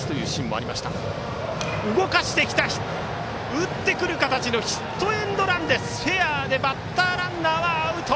打ってくる形のヒットエンドランでしたがフェアでバッターランナーはアウト。